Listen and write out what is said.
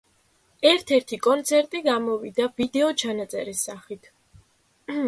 ერთ-ერთი კონცერტი გამოვიდა ვიდეოჩანაწერის სახით.